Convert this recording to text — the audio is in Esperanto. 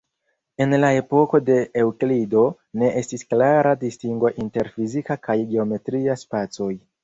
En la epoko de Eŭklido, ne estis klara distingo inter fizika kaj geometria spacoj.